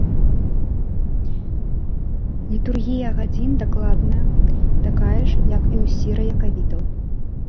Літургія гадзін дакладна такая ж, як і ў сіра-якавітаў.